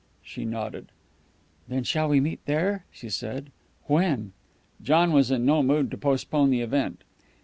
She nodded. "Then shall we meet there?" she said. "When?" John was in no mood to postpone the event.